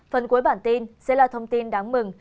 phần cuối bản tin sẽ là thông tin đáng mừng